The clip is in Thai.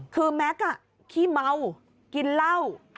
คือแม็กซ์ขี้เมากินเหล้า